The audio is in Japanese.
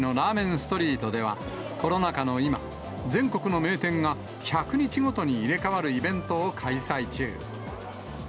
ストリートでは、コロナ禍の今、全国の名店が１００日ごとに入れ代わるイベントを開催中。